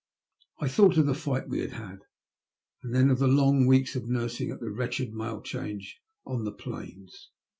I thought of the , fight we had had, and then of the long weeks of nursing at the wretched Mail Change on the plains.